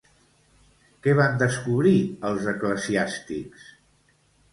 Què van descobrir els eclesiàstics?